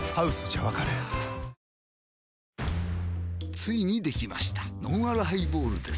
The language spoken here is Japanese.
ついにできましたのんあるハイボールです